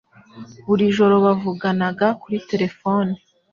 Buri joro bavuganaga kuri terefone.